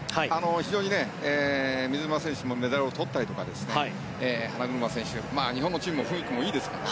非常に水沼選手もメダルをとったり花車選手、日本チームの雰囲気もいいですから。